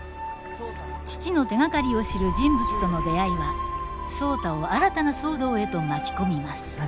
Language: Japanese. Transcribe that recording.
父の手がかりを知る人物との出会いは壮多を新たな騒動へと巻き込みます。